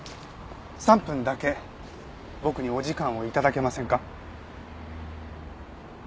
３分だけ僕にお時間を頂けませんか？